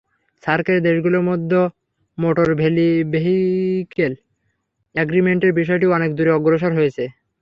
সার্কের দেশগুলোর মধ্যে মোটর ভেহিকেল অ্যাগ্রিমেন্টের বিষয়টি অনেক দূর অগ্রসর হয়েছে।